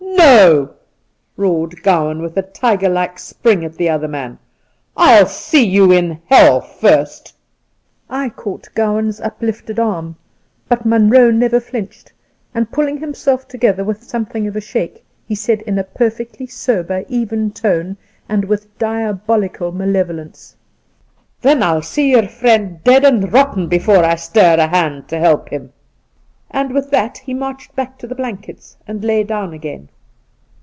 ' No !' roared Gowan, with a tiger like spring at the other man ;' I'll see you in heU first !' I caught Gowan's uplifted arm, but Munroe never flinched, and, pulling himself together with something of a shake, he said in a perfectly sober, even tone and with diabolical malevolence :' Then I'll see your friend dead and rotten before I stir a hand to help him ;' and with that he marched back to the blankets and lay down again.